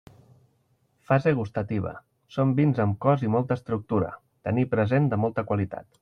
Fase gustativa: són vins amb cos i molta estructura, taní present de molta qualitat.